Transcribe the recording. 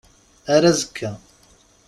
Ar azekka.